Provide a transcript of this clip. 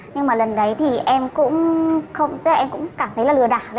nhưng mà lần đấy thì em cũng cảm thấy là lừa đảo